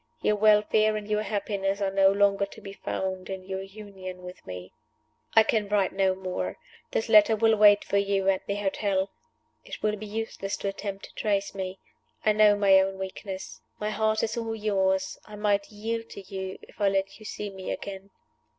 Your welfare and your happiness are no longer to be found in your union with Me. "I can write no more. This letter will wait for you at the hotel. It will be useless to attempt to trace me. I know my own weakness. My heart is all yours: I might yield to you if I let you see me again.